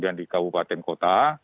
dan kemudian di kabupaten kota